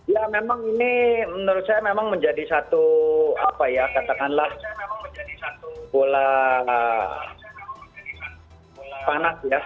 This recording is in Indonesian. ya memang ini menurut saya memang menjadi satu apa ya katakanlah bola panas ya